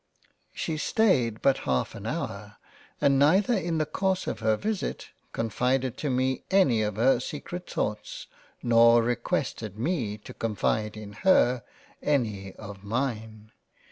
> She staid but Half an hour and neither in the Course of her Visit, confided to me any of her secret thoughts, nor requested me to confide in her, any of Mine.